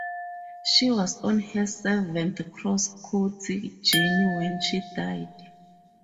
She was on her seventh cross-county journey when she died.